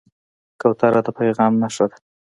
کوتره د پیغام نښه ده.